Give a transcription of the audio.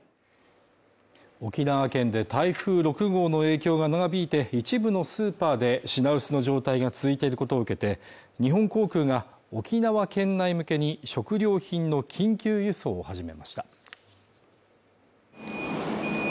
沖縄県で台風６号の影響が長引いて一部のスーパーで品薄の状態が続いていることを受けて日本航空が沖縄県内向けに食料品の緊急輸送を始めました